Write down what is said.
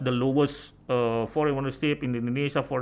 perubahan tep di indonesia